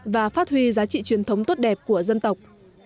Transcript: và phát huy giá trị truyền thống tốt đẹp của dân tộc